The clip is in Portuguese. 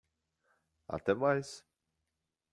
Até mais!